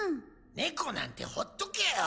猫なんてほっとけよ。